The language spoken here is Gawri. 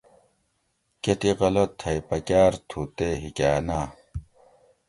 کتی غلہ تھئ پکاۤر تھو تے ہیکا ناۤ